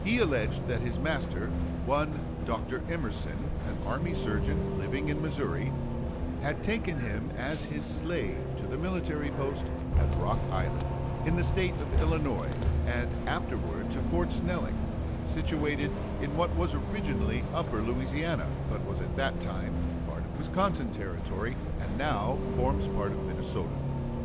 He alleged that his master, one Dr. Emerson, an army surgeon, living in Missouri, had taken him as his slave to the military post at Rock Island, in the State of Illinois, and afterwards to Fort Snelling, situated in what was originally Upper Louisiana, but was at that time part of Wisconsin Territory, and now forms part of Minnesota.